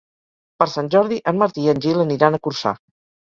Per Sant Jordi en Martí i en Gil aniran a Corçà.